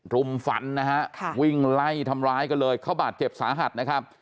รุมฝันนะฮะวิ่งไล่ทำร้ายกันเลยเขาบาดเจ็บสาหัสนะครับ